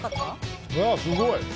すごい！